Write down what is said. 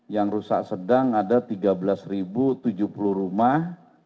yang rusak sedang ada tiga belas tujuh puluh rumah